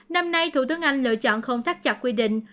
năm nay thủ tướng anh lựa chọn không thắt chặt quy định